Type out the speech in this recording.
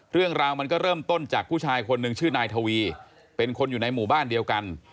เรื่องราวมันก็เริ่มต้นจากผู้ชายคนหนึ่งชื่อนายทวีเป็นคนอยู่ในหมู่บ้านเดียวกัน